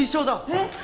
えっ？